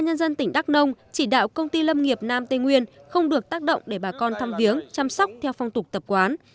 ubnd tỉnh đắk nông chỉ đạo công ty lâm nghiệp nam tây nguyên không được tác động để bà con thăm viếng chăm sóc theo phong tục tập quán